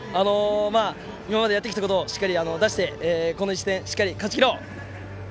今までやってきたことをしっかり出してこの試合、しっかり勝ちきろう！